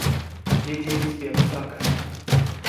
Те тевесь пек стака.